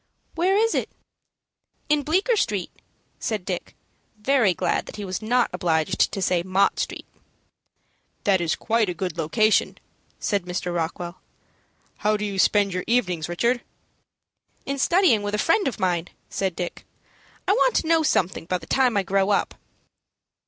"Where is it?" "In Bleecker Street," said Dick, very glad that he was not obliged to say Mott Street. "That is quite a good location," said Mr. Rockwell. "How do you spend your evenings, Richard?" "In studying with a friend of mine," said Dick. "I want to know something by the time I grow up."